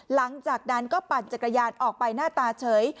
หลังจากนั้นก็ปั่นจักรยานออกไปหน้าตาเฉย